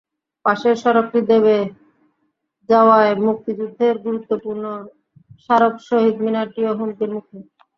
পাশের সড়কটি দেবে যাওয়ায় মুক্তিযুদ্ধের গুরুত্বপূর্ণ স্মারক শহীদ মিনারটিও হুমকির মুখে।